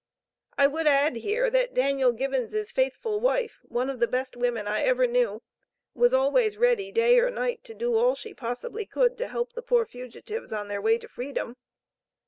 I would add here, that Daniel Gibbons' faithful wife, one of the best women I ever knew, was always ready, day or night, to do all she possibly could, to help the poor fugitives on their way to freedom.